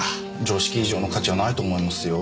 常識以上の価値はないと思いますよ。